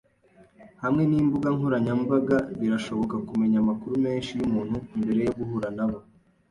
Hamwe nimbuga nkoranyambaga birashoboka kumenya amakuru menshi yumuntu mbere yo guhura nabo.